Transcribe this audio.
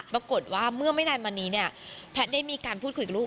ปรากฏว่าเมื่อไม่ได้มานี้เนี่ยแพทย์ได้มีการพูดคุยกับลูก